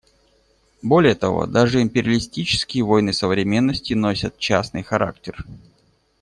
Более того, даже империалистические войны современности носят частный характер.